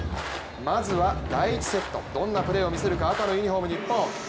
まずは第１セット、どんなプレーを見せるか赤のユニフォーム、日本。